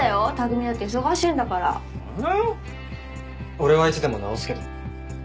俺はいつでも直すけど。